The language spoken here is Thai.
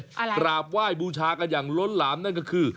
อะไรกราบไหว้บูชากันอย่างล้นหลามนั่นก็คือ